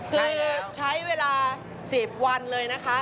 ใช่แล้วคือใช้เวลาสิบวันเลยนะคะ